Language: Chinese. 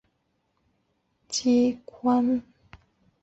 内政部民政司是中华民国内政部下属机关。